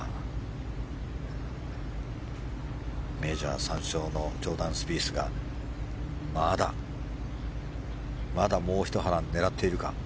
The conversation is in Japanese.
メジャー３勝のジョーダン・スピースがまだもうひと波乱狙っているか。